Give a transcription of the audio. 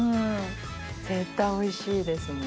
絶対おいしいですもん。